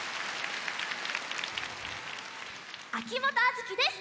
秋元杏月です。